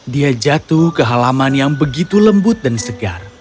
dia jatuh ke halaman yang begitu lembut dan segar